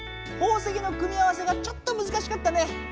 宝石の組み合わせがちょっとむずかしかったね。